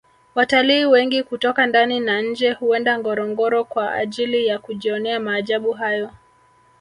watalii wengi kutoka ndani na nje huenda ngorongoro kwa ajili ya kujionea maajabu hayo